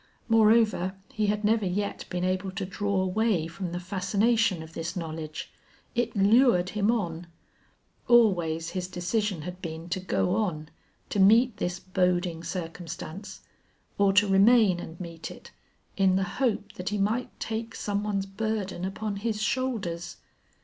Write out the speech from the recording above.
Moreover, he had never yet been able to draw away from the fascination of this knowledge. It lured him on. Always his decision had been to go on, to meet this boding circumstance, or to remain and meet it, in the hope that he might take some one's burden upon his shoulders.